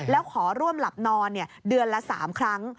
แล้วขอร่วมหลับนอนเดือนละ๓ครั้ง